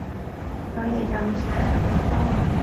佢哋就要踩上門收啊